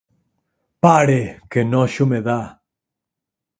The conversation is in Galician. Pare! Que noxo me dá.